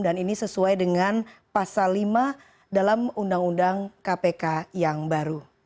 dan ini sesuai dengan pasal lima dalam undang undang kpk yang baru